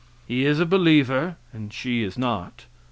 He is a believer and she is not.